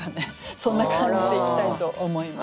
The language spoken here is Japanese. そんな感じでいきたいと思います。